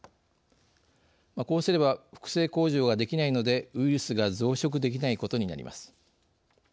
こうすれば複製工場ができないのでウイルスが増殖できないことになります。